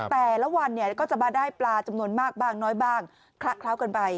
แต่ละวันก็จะมาได้ปลาจำนวนมากบ้างน้อยบ้างคละเคล้ากันไป